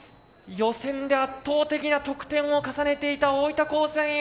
予選で圧倒的な得点を重ねていた大分高専Ａ。